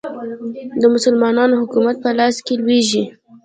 د مسلمانانو حکومت په لاس کې لوبیږي.